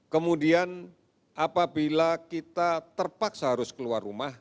kemudian apabila kita terpaksa harus keluar rumah